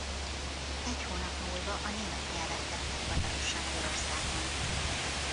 Egy hónap múlva a német nyelvet tette hivatalossá Magyarországon.